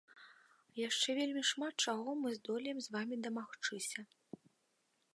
Яшчэ вельмі шмат чаго мы здолеем з вамі дамагчыся.